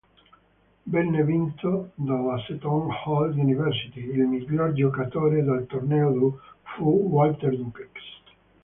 Venne vinto dalla Seton Hall University; il miglior giocatore del torneo fu Walter Dukes.